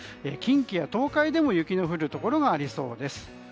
近畿や東海でも雪の降るところがありそうです。